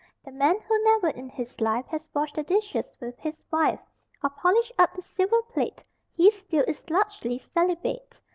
The man who never in his life Has washed the dishes with his wife Or polished up the silver plate He still is largely celibate.